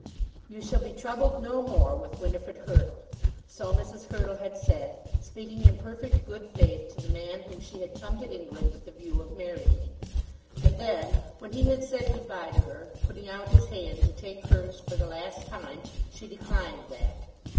"You shall be troubled no more with Winifrid Hurtle." So Mrs. Hurtle had said, speaking in perfect good faith to the man whom she had come to England with the view of marrying. And then when he had said good bye to her, putting out his hand to take hers for the last time, she declined that.